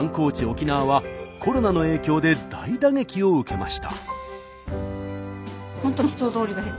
沖縄はコロナの影響で大打撃を受けました。